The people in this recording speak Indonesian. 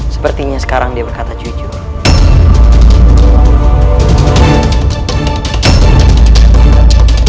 sepertinya sekarang dia berkata jujur